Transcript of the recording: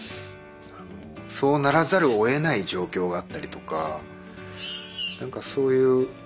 そうならざるをえない状況があったりとかなんかそういう。